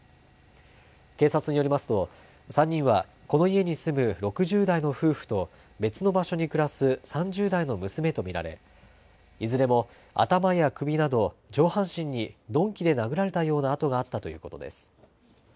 警察によりますと３人はこの家に住む６０代の夫婦と別の場所に暮らす３０代の娘と見られ、いずれも頭や首など上半身に鈍器で殴られたような痕があったということです。